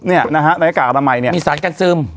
มีสารการซึม